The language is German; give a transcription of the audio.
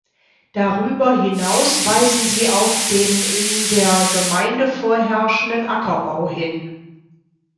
Darüber hinaus weisen sie auf den in der Gemeinde vorherrschenden Ackerbau hin.